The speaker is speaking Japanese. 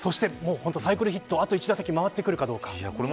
サイクルヒットあと１打席回ってくるかどうか。